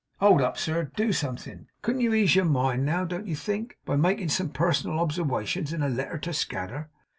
Hold up, sir. Do something. Couldn't you ease your mind, now, don't you think, by making some personal obserwations in a letter to Scadder?